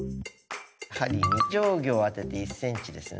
針に定規を当てて１ｃｍですね。